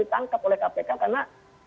ditangkap oleh kpk karena